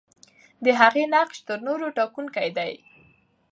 د هغې نقش تر نورو ټاکونکی دی.